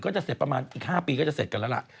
จะเสร็จประมาณอีก๕ปีก็จะเสร็จกันแล้วล่ะ